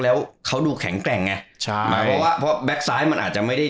แล้วเขาดูแข็งแกร่งไงใช่เพราะว่าเพราะมันอาจจะไม่ได้